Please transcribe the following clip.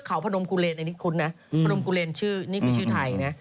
อันนี้คุ้นนะพระรมกุเรนชื่อนี่คือชื่อไทยนะ